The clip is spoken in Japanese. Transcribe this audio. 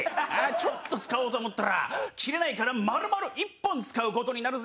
ちょっと使おうと思ったら切れないから丸々一本使う事になるぜ。